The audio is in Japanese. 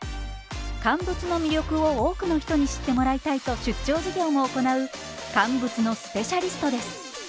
乾物の魅力を多くの人に知ってもらいたいと出張授業も行う乾物のスペシャリストです。